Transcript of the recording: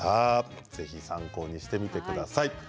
ぜひ参考にしてみてください。